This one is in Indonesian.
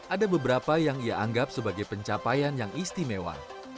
ada beberapa yang ia anggap sebagai pencapaian yang istimewa